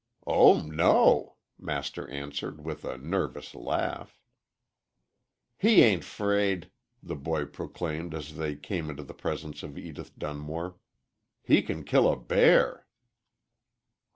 "Oh no," Master answered, with a nervous laugh. "He ain't 'fraid," the boy proclaimed as they came into the presence of Edith Dunmore. "He can kill a bear."